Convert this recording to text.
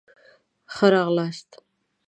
ښه راغلاست